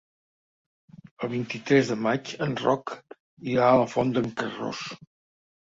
El vint-i-tres de maig en Roc irà a la Font d'en Carròs.